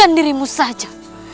bukan dirimu saja